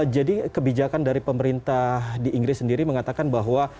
jadi kebijakan dari pemerintah di inggris sendiri mengatakan bahwa